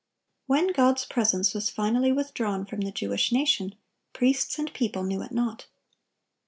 When God's presence was finally withdrawn from the Jewish nation, priests and people knew it not.